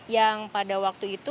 yang pada waktu itu